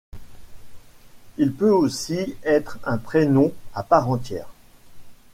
Il peut aussi être un prénom à part entière.